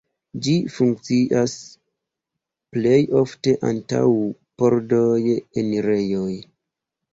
Ĝi funkcias plej ofte antaŭ pordoj, enirejoj.